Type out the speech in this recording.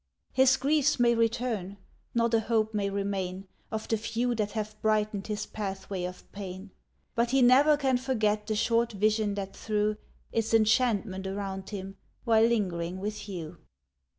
His griefs may return not a hope may remain Of the few that have brightened his pathway of pain But he ne'er can forget the short vision that threw Its enchantment around him while lingering with you!